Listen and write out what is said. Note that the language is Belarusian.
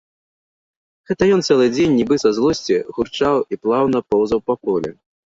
Гэта ён цэлы дзень нібы са злосці гурчаў і плаўна поўзаў па полі.